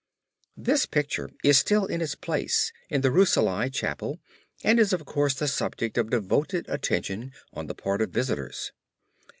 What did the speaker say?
This picture is still in its place in the Rucellai chapel and is of course the subject of devoted attention on the part of visitors.